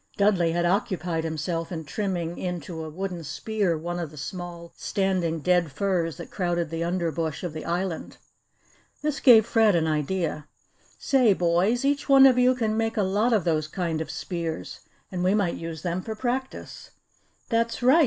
Dudley had occupied himself in trimming into a wooden spear one of the small standing dead firs that crowded the underbush of the island. This gave Fred an idea. "Say, boys, each one of you can make a lot of those kind of spears and we might use them for practice." "That's right!